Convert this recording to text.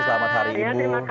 selamat hari ibu